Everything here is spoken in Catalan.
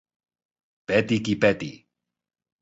Peti qui peti.